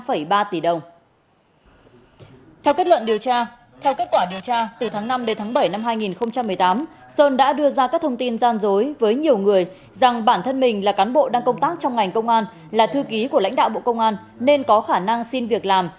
theo kết luận điều tra theo kết quả điều tra từ tháng năm đến tháng bảy năm hai nghìn một mươi tám sơn đã đưa ra các thông tin gian dối với nhiều người rằng bản thân mình là cán bộ đang công tác trong ngành công an là thư ký của lãnh đạo bộ công an nên có khả năng xin việc làm